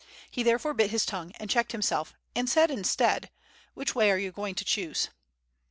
He therefore bit his ton^xue and checked himself and said instead, "which way are you going to choose?"